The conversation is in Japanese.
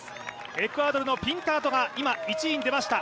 エクアドルのピンタードが今１位に出ました。